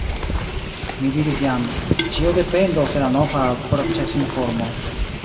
Mi diris jam: ĉio dependos de la nova procesinformo.